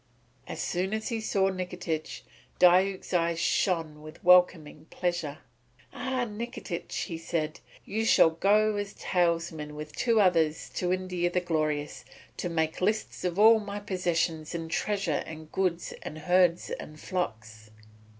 As soon as he saw Nikitich, Diuk's eyes shone with welcoming pleasure. "Ah, Nikitich," he said, "you shall go as talesman with two others to India the Glorious, to make lists of all my possessions in treasure and goods and herds and flocks.